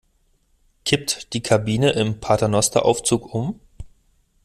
Kippt die Kabine im Paternosteraufzug um?